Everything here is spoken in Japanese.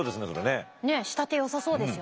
ねえ仕立てよさそうですよね。